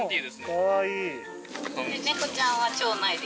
かわいい！